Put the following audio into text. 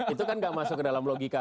itu kan gak masuk ke dalam logika